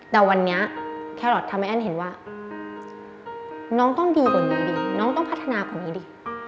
แต่วันนี้แครอททำให้แอ้นเห็นว่าน้องต้องดีกว่านี้ดีน้องต้องพัฒนาคนนี้ดี